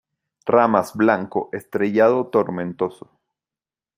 Ramas blanco estrellado-tomentoso.